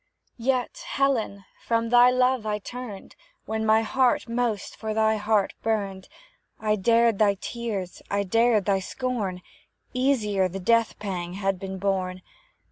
Yet, Helen! from thy love I turned, When my heart most for thy heart burned; I dared thy tears, I dared thy scorn Easier the death pang had been borne.